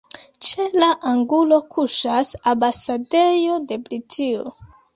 Ĉe la angulo kuŝas ambasadejo de Britio.